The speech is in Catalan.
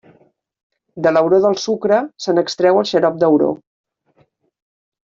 De l'auró del sucre se n'extreu el xarop d'auró.